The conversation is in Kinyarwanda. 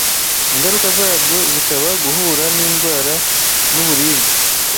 Ingaruka zabyo zikaba guhura n’indwara n’uburibwe